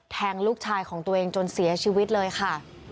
แทงลูกชายของตัวเองจนเสียชีวิตเลยค่ะ